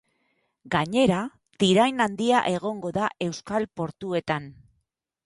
Gainera, tirain handia egongo da euskal portuetan.